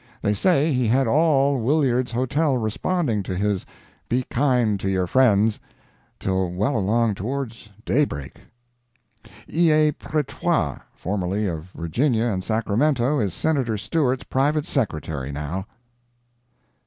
They say he had all Williards' Hotel responding to his, "Be kind to your friends" till well along toward day break. E. A. Pretois, formerly of Virginia and Sacramento, is Senator Stewart's private secretary, now.